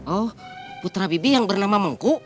oh putra bibi yang bernama mengku